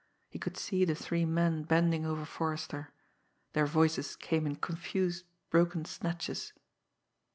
He could see the three men bending over Forrester. Their voices came in confused, broken, snatches